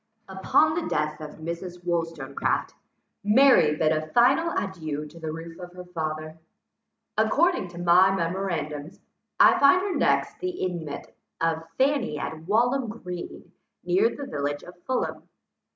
Upon the death of Mrs. Wollstonecraft, Mary bid a final adieu to the roof of her father. According to my memorandums, I find her next the inmate of Fanny at Walham Green, near the village of Fulham.